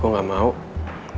dibenci lagi sama gue